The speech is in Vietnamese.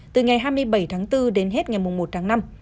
từ ngày hai mươi bảy tháng bốn đến hết ngày một tháng năm